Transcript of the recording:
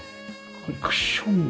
これクッション。